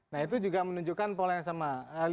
nah itu juga menunjukkan pola yang sama